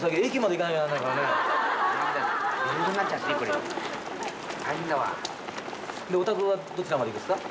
でお宅はどちらまで行くんすか？